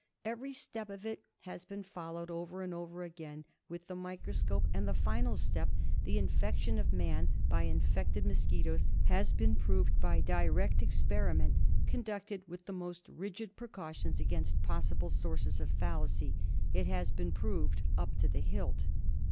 Every step of it has been followed over and over again with the micro scope, and the final step, the infection of man by infected mosquitoes, has been proved by direct experiment con ducted with the most rigid precautions against possible sources of fallacy. It has been proved up to the hilt.